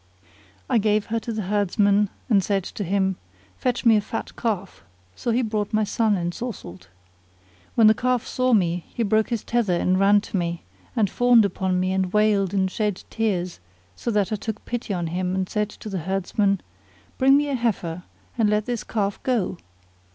I gave her to the herdsman and said to him, "Fetch me a fat calf;" so he brought my son ensorcelled. When the calf saw me, he brake his tether and ran to me, and fawned upon me and wailed and shed tears; so that I took pity on him and said to the herdsman, "Bring me a heifer and let this calf go!"